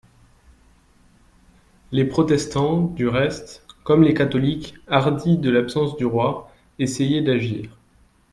Les protestants, du reste, comme les catholiques, hardis de l'absence du roi, essayaient d'agir.